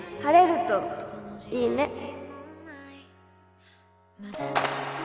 晴れるといいね